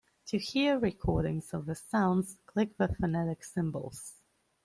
To hear recordings of the sounds, click the phonetic symbols.